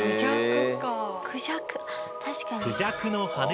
確かに。